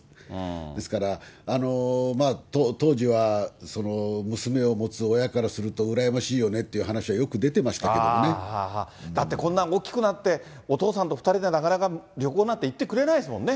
ですから、当時は娘を持つ親からすると羨ましいよねっていう話、だって、こんな大きくなって、お父さんと２人でなかなか旅行なんて行ってくれないですもんね。